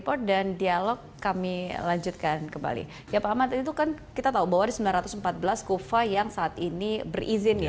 fakta dari bryan sudah dikatakan